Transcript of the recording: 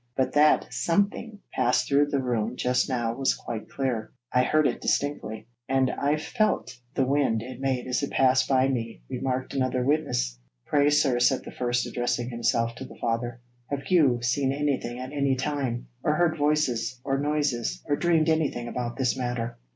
But that something passed through the room just now was quite clear. I heard it distinctly.' 'And I felt the wind it made as it passed by me,' remarked another witness. 'Pray, sir,' said the first, addressing himself to the father; 'have you seen anything at any time, or heard voices or noises, or dreamed anything about this matter?'